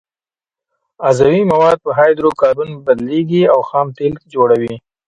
عضوي مواد په هایدرو کاربن بدلیږي او خام تیل جوړوي